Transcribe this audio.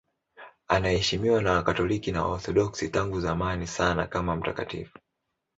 Anaheshimiwa na Wakatoliki na Waorthodoksi tangu zamani sana kama mtakatifu.